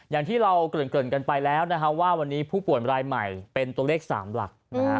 อย่างที่เราเกริ่นกันไปแล้วนะฮะว่าวันนี้ผู้ป่วยรายใหม่เป็นตัวเลข๓หลักนะฮะ